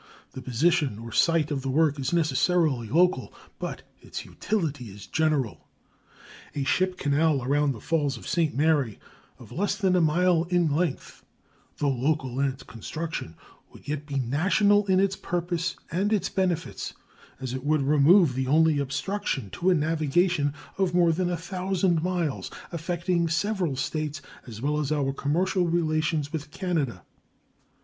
The position or sight of the work is necessarily local, but its utility is general. A ship canal around the Falls of St. Mary of less than a mile in length, though local in its construction, would yet be national in its purpose and its benefits, as it would remove the only obstruction to a navigation of more than 1,000 miles, affecting several States, as well as our commercial relations with Canada.